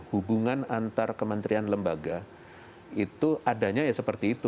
hubungan antar kementerian lembaga itu adanya ya seperti itu